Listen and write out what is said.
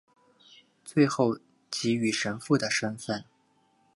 最后才给予神父的身分。